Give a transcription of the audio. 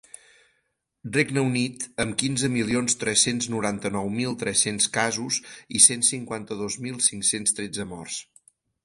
Regne Unit, amb quinze milions tres-cents noranta-nou mil tres-cents casos i cent cinquanta-dos mil cinc-cents tretze morts.